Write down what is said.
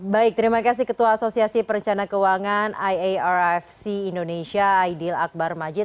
baik terima kasih ketua asosiasi perencana keuangan iarfc indonesia aidil akbar majid